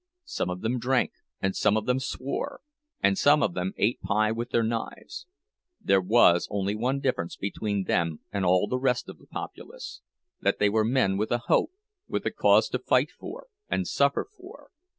Some of them drank, and some of them swore, and some of them ate pie with their knives; there was only one difference between them and all the rest of the populace—that they were men with a hope, with a cause to fight for and suffer for.